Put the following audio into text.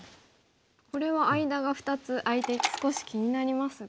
これは間が２つ空いて少し気になりますが。